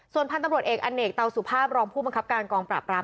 ส่วนพันธุ์ตำรวจเอกอเนกเตาสุภาพรองผู้บังคับการกองปราบราม